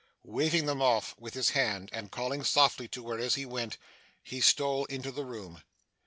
Waving them off with his hand, and calling softly to her as he went, he stole into the room.